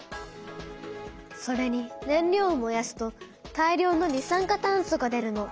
それに燃料を燃やすと大量の二酸化炭素が出るの。